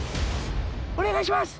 お願いします！